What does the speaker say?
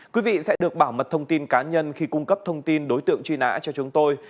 quý vị sẽ được bảo mật thông tin cá nhân khi cung cấp thông tin đối tượng truy nã cho chúng tôi